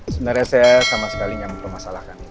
sebenarnya saya sama sekali nggak mempermasalahkan